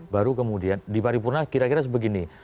baru kemudian di paripurna kira kira sebegini